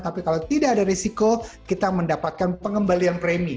tapi kalau tidak ada risiko kita mendapatkan pengembalian premi